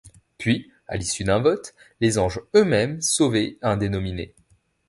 Puis, à l’issue d’un vote, les Anges eux-mêmes sauvaient un des nominés.